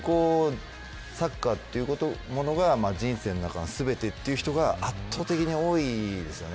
サッカーというものが人生の中の全てという人が圧倒的に多いですよね